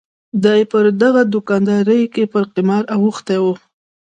دای پر دغه دوکاندارۍ کې پر قمار اوښتی و.